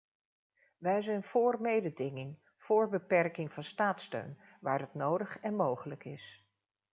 Wij zijn voor mededinging, voor beperking van staatssteun, waar dat nodig en mogelijk is.